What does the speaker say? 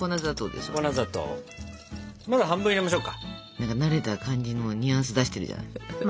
何か慣れた感じのニュアンス出してるじゃない。